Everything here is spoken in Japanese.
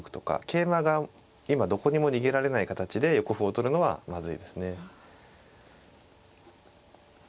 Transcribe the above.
桂馬が今どこにも逃げられない形で横歩を取るのはまずいですね。